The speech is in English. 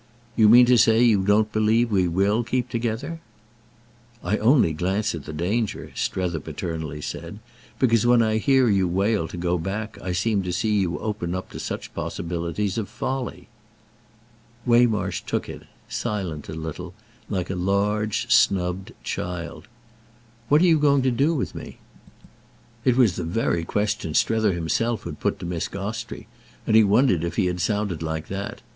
"You mean to say you don't believe we will keep together?" "I only glance at the danger," Strether paternally said, "because when I hear you wail to go back I seem to see you open up such possibilities of folly." Waymarsh took it—silent a little—like a large snubbed child "What are you going to do with me?" It was the very question Strether himself had put to Miss Gostrey, and he wondered if he had sounded like that.